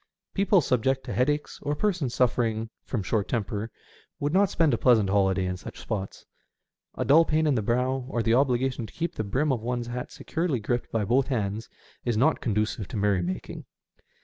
People subject to headaches, or persons suffering from short temper, would not spend a pleasant holiday in such spots. A dull pain in the brow, or the obligation to keep the brim of one's hat securely gripped by both hands, is not conducive to merry making.